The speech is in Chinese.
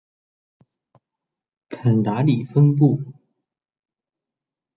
肯达里分布。